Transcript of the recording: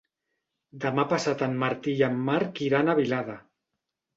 Demà passat en Martí i en Marc iran a Vilada.